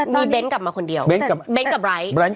มีเบนท์กลับมาคนเดียวเบนท์กับไบร์ท